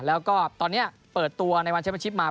แล้วก็ตอนนี้เปิดตัวในวันเชฟชิปมา